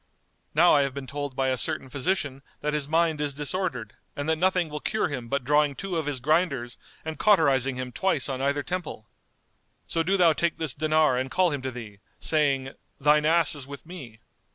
Now I have been told by a certain physician that his mind is disordered and that nothing will cure him but drawing two of his grinders and cauterising him twice on either temple. So do thou take this dinar and call him to thee, saying, 'Thine ass is with me.